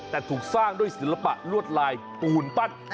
แต่ถูกสร้างด้วยศิลปะลวดลายปูนปั้น